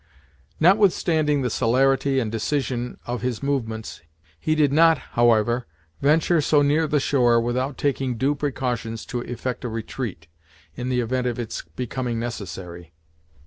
Notwithstanding the celerity and decision his movements, he did not, however, venture so near the shore without taking due precautions to effect a retreat, in the event of its becoming necessary.